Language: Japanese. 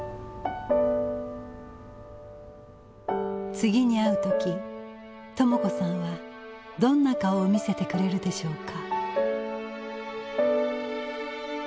次に会う時朋子さんはどんな顔を見せてくれるでしょうか。